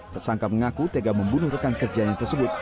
tersangka mengaku tega membunuh rekan kerjanya tersebut